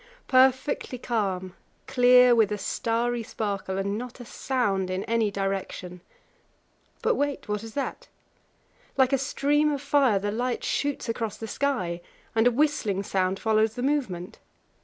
Perfectly calm, clear with a starry sparkle, and not a sound in any direction. But wait: what is that? Like a stream of fire the light shoots across the sky, and a whistling sound follows the movement.